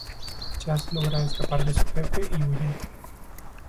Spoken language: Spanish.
Chas logra escapar de su jefe y huye.